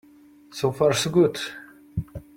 So far so good.